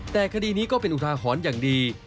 แต่คดีนี้ก็เป็นอุทาหรณ์อย่างดี